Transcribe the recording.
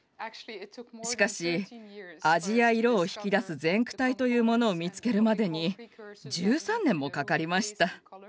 しかし味や色を引き出す前駆体というものを見つけるまでに１３年もかかりました。